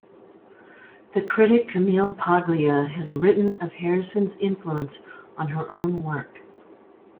The critic Camille Paglia has written of Harrison's influence on her own work.